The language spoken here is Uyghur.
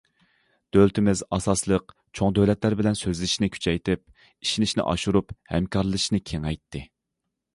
دۆلىتىمىز ئاساسلىق چوڭ دۆلەتلەر بىلەن سۆزلىشىشنى كۈچەيتىپ، ئىشىنىشنى ئاشۇرۇپ، ھەمكارلىشىشنى كېڭەيتتى.